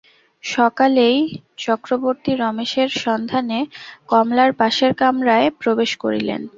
সকালেই চক্রবর্তী রমেশের সন্ধানে কমলার পাশের কামরায় প্রবেশ করিলেন।